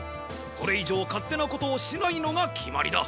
それ以上勝手なことをしないのが決まりだ。